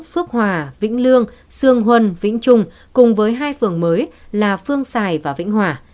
phước hòa vĩnh lương sương huân vĩnh trung cùng với hai phường mới là phương sài và vĩnh hòa